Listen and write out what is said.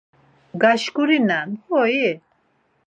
Gaşkurinen hoi?